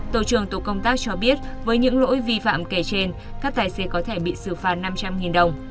tổ trường tổ công tác cho biết với những lỗi vi phạm kể trên các tài xế có thể bị xử phạt năm trăm linh đồng